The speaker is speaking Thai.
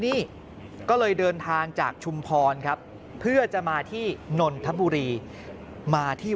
นี่ก็เลยเดินทางจากชุมพรครับเพื่อจะมาที่นนทบุรีมาที่